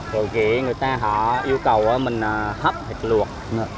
rồi người ta họ yêu cầu mình hấp hoặc luộc